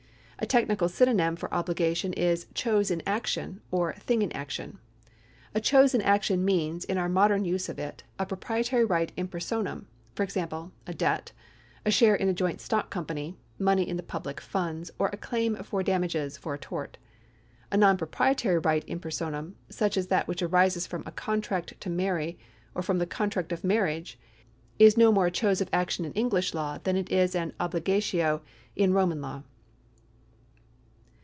A technical synonym for obligation is chose in action or tJmig in action. A chose in action means, in our modern use of it, a proprietary right in personarn ; for example, a debt, a share in a joint stock company, money in the public funds, or a claim for damages for a tort. A non proprietary right in personam, such as that which arises from a contract to marry, or from the contract of marriage, is no more a chose in action in English law than it is an obligatio in Roman law.